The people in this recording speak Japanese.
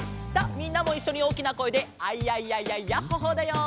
みんなもいっしょにおおきなこえで「アイヤイヤイヤイヤッホ・ホー」だよ。